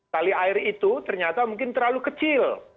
tali air itu ternyata mungkin terlalu kecil